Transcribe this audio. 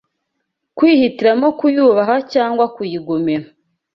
kwihitiramo kuyubaha cyangwa kuyigomera